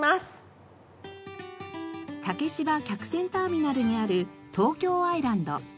竹芝客船ターミナルにある東京愛らんど。